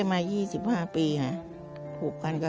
ทำงานชื่อนางหยาดฝนภูมิสุขอายุ๕๔ปี